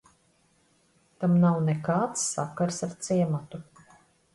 Tam nav nekāds sakars ar ciematu.